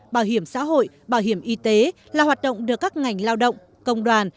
bảo hiểm xã hội bảo hiểm y tế là hoạt động được các ngành lao động công đoàn